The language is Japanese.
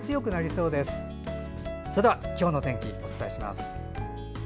それでは今日の天気お伝えします。